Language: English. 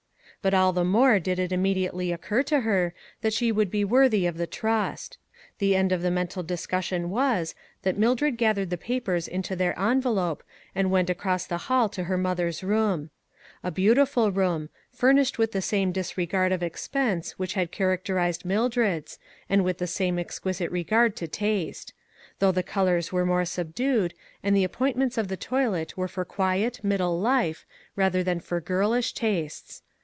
But all the more did it immediately occur to her that she should be worthy of the trust. The end of the mental discussion was, that Mildred gathered the papers into their envelope and went across the hall to her mother's room. A beautiful room, furnished with the same disregard of expense which had charac terized Mildred's, and with the same ex quisite regard to taste ; though the colors were more subdued, and the appointments of the toilet were for quiet, middle life, 3/6 ONE COMMONPLACE DAY. rather than for girlish tastes.